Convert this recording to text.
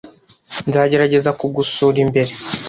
nzagerageza kugusura imbere